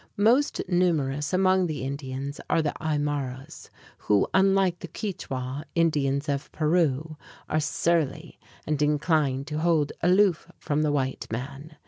Most numerous among the Indians are the Aymaras, who, unlike the Quichua Indians of Peru, are surly and inclined to hold aloof from the white man.